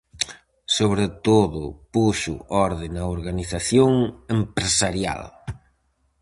Sobre todo, puxo orde na organización empresarial.